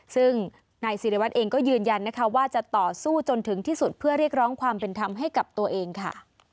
ซึ่งนายศิริวัตรเองก็ยืนยันนะคะว่าจะต่อสู้จนถึงที่สุดเพื่อเรียกร้องความเป็นธรรมให้กับตัวเองค่ะ